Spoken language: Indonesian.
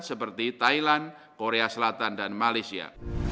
seperti thailand korea selatan dan malaysia